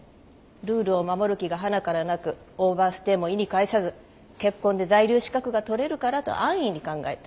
ルールを守る気がはなからなくオーバーステイも意に介さず結婚で在留資格が取れるからと安易に考えた。